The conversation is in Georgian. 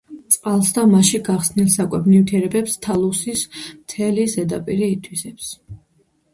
წყალს და მასში გახსნილ საკვებ ნივთიერებებს თალუსის მთელი ზედაპირი ითვისებს.